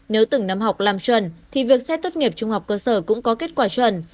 nếu từng năm học làm chuẩn thì việc xét tốt nghiệp trung học cơ sở cũng có kết quả chuẩn